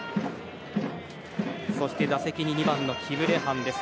そして打席に２番のキブレハン。